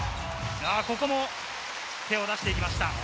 ここも手を出していきました。